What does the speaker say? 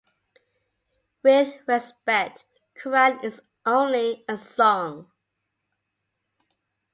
With respect, Quran is only a song.